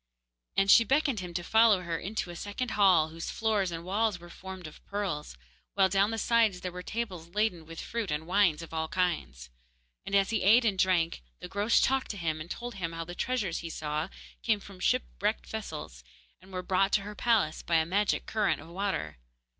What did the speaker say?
And she beckoned him to follow her into a second hall whose floors and walls were formed of pearls, while down the sides there were tables laden with fruit and wines of all kinds; and as he ate and drank, the Groac'h talked to him and told him how the treasures he saw came from shipwrecked vessels, and were brought to her palace by a magic current of water.